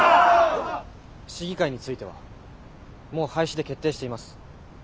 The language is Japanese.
市議会についてはもう廃止で決定しています。